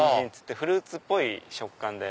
フルーツっぽい食感で。